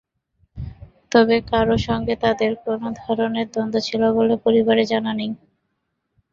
তবে কারও সঙ্গে তাঁদের কোনো ধরনের দ্বন্দ্ব ছিল বলে পরিবারের জানা নেই।